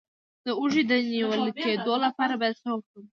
د اوږې د نیول کیدو لپاره باید څه وکړم؟